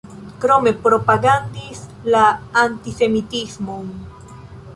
Krome propagandis la antisemitismon.